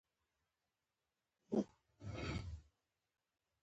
د کم باران لپاره پارابولیک کمبر مناسب دی